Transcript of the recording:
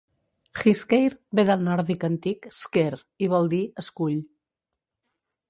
Hyskeir ve del nòrdic antic "sker" i vol dir escull.